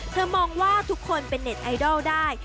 มองว่าทุกคนเป็นเน็ตไอดอลได้